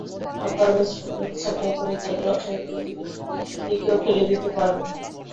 অকারণে শ্রমিক ছাঁটাই করে তাদের অসহায়ত্বের দিকেও ঠেলে দিতে পারবে না।